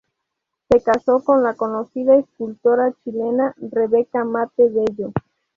Se casó con la conocida escultora chilena Rebeca Matte Bello.